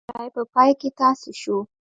سړی په پای کې تاسی شو.